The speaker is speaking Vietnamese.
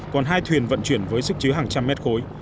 còn hai thuyền vận chuyển với sức chứa hàng trăm mét khối